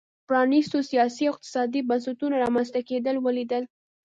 پرانیستو سیاسي او اقتصادي بنسټونو رامنځته کېدل ولیدل.